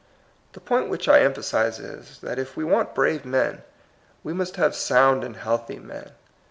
The point which I emphasize is, that if we want brave men, we must have sound and healthy men.